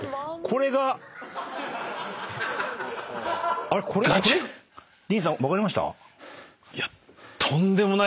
これディーンさん分かりました？